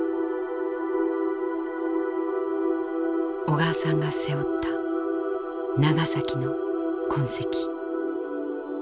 小川さんが背負った「ナガサキ」の痕跡。